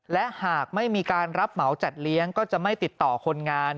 และหากไม่มีการรับเหมาจัดเลี้ยงก็จะไม่ติดต่อคนงาน